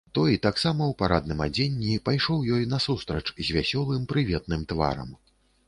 Той, таксама ў парадным адзенні, пайшоў ёй насустрач з вясёлым прыветным тварам.